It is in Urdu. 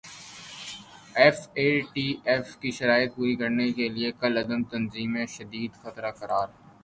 ایف اے ٹی ایف کی شرائط پوری کرنے کیلئے کالعدم تنظیمیںشدید خطرہ قرار